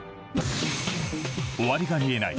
終わりが見えない